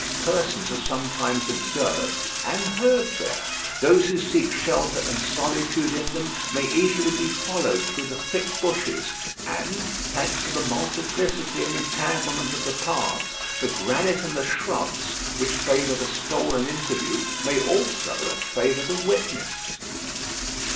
Persons are sometimes observed and heard there. Those who seek shelter and solitude in them may easily be followed through the thick bushes, and, thanks to the multiplicity and entanglement of the paths, the granite and the shrubs which favour the stolen interview may also favour the witness.